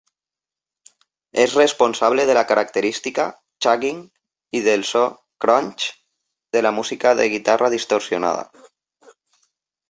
És responsable de la característica "chugging" i del so "crunch" de la música de guitarra distorsionada.